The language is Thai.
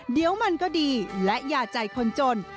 เดี๋ยวมันก็ดีและอย่าใจคนจน